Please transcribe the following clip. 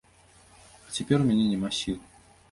А цяпер у мяне няма сіл.